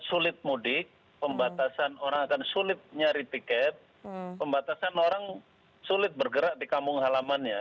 sulit mudik pembatasan orang akan sulit nyari tiket pembatasan orang sulit bergerak di kampung halamannya